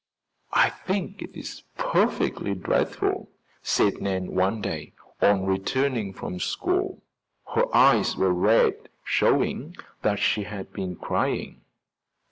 "I think it is perfectly dreadful," said Nan one day, on returning from school. Her eyes were red, showing that she had been crying.